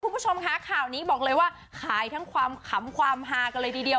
คุณผู้ชมคะข่าวนี้บอกเลยว่าขายทั้งความขำความฮากันเลยทีเดียว